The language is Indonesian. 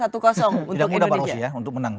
tidak mudah para osia untuk menang